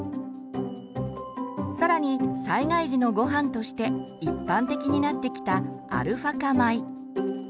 更に災害時のごはんとして一般的になってきたアルファ化米。